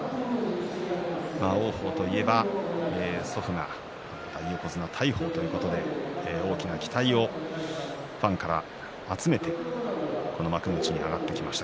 王鵬といえば、祖父が大横綱大鵬ということで大きな期待をファンから集めてこの幕内に上がってきました。